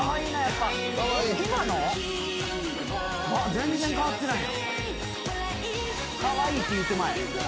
全然変わってない。